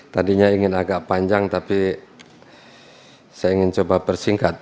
tadinya ingin agak panjang tapi saya ingin coba persingkat